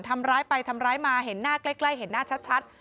ทำร้ายไปทำร้ายมาเห็นหน้าใกล้เห็นหน้าชัด